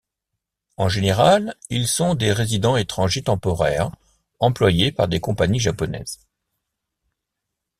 En général, ils sont des résidents étrangers temporaires employés par des compagnies japonaises.